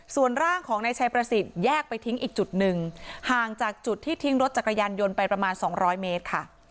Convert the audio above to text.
ส่วนร่างของนายชัยประสิทธิ์แยกไปทิ้งอีกจุดหนึ่งห่างจากจุดที่ทิ้งรถจักรยานยนต์ไปประมาณ๒๐๐เมตรค่ะ